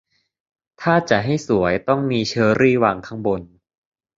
ถ้าจะให้สวยต้องมีเชอร์รี่วางข้างบน